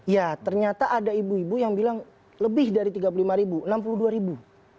ya ternyata ada ibu ibu yang bilang lebih dari tiga puluh lima ribu enam puluh dua ribu